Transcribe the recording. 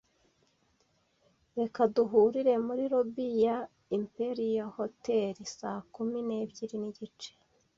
Reka duhurire muri lobby ya Imperial Hotel saa kumi n'ebyiri n'igice.